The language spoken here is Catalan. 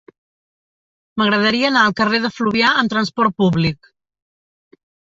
M'agradaria anar al carrer de Fluvià amb trasport públic.